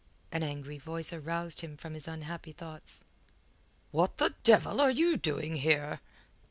An angry voice aroused him from his unhappy thoughts. "What the devil are you doing here?"